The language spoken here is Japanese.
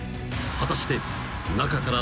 ［果たして中から］